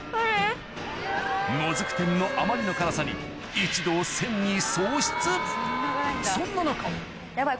もずく天のあまりの辛さに一同そんな中ヤバい